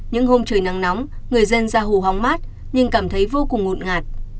những hôm trời nắng nóng người dân ra hồ hóng mát nhưng cảm thấy vô cùng ngộn ngạt